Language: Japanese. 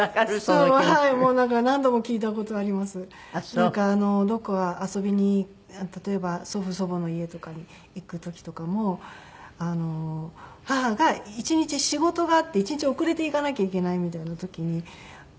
なんかどこか遊びに例えば祖父祖母の家とかに行く時とかも母が一日仕事があって一日遅れて行かなきゃいけないみたいな時に。